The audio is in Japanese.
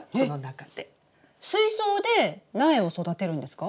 水槽で苗を育てるんですか？